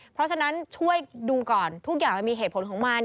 เพราะฉะนั้นช่วยดูก่อนทุกอย่างมันมีเหตุผลของมัน